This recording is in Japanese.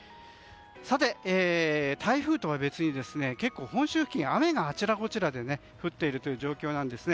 さて、台風とは別に結構本州付近では雨があちらこちらで降っているという状況なんです。